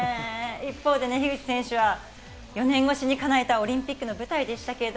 一方、樋口選手は４年越しに叶えたオリンピックの舞台でした。